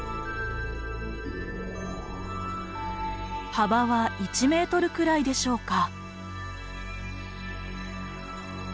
幅は１メートルくらいでしょうか。